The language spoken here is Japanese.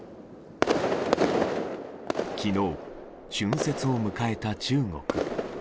昨日、春節を迎えた中国。